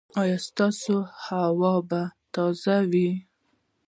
ایا ستاسو هوا به تازه وي؟